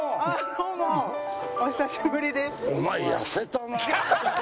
どうもお久しぶりです。